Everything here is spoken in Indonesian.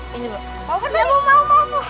mau kan mau mau mau